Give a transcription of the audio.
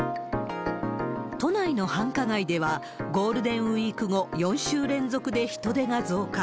都内の繁華街では、ゴールデンウィーク後、４週連続で人出が増加。